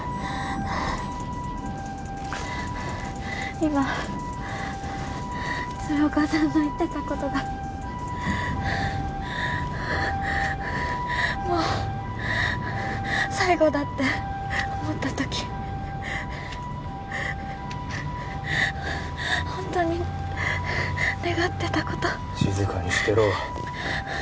今鶴岡さんの言ってたことがもう最後だって思った時ホントに願ってたこと静かにしてろ